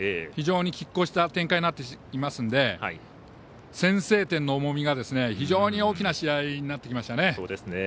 非常にきっ抗した展開になってますので先制点の重みが非常に大きな試合になってきましたね。